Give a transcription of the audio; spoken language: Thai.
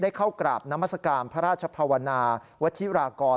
ได้เข้ากราบน้ำมัสการพระราชภาวนาวัชฌีรากร